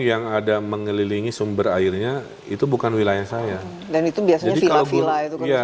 yang ada mengelilingi sumber airnya itu bukan wilayah saya dan itu biasanya vila vila itu ya